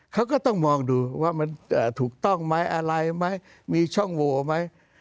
เขาก็ต้องมองดูว่ามันถูกต้องไหมอะไรไหมมีช่องโวไหม